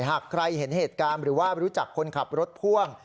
หากใครเห็นเหตุการณ์หรือว่ารู้จักคนขับรถพ่วง